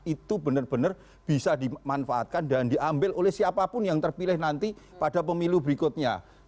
itu benar benar bisa dimanfaatkan dan diambil oleh siapapun yang terpilih nanti pada pemilu berikutnya